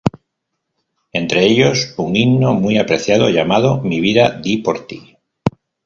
Entre ellos, un himno muy apreciado, llamado: "mi vida di por ti".